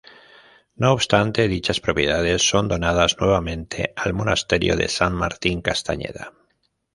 No obstante, dichas propiedades son donadas nuevamente al monasterio de San Martín Castañeda.